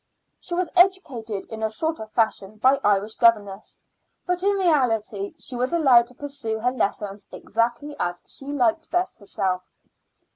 She was educated in a sort of fashion by an Irish governess, but in reality she was allowed to pursue her lessons exactly as she liked best herself.